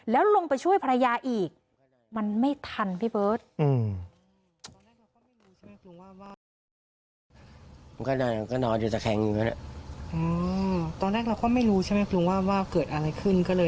แล้วลงไปช่วยภรรยาอีก